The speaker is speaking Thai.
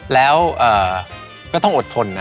แล้วก็ต้องอดทนนะ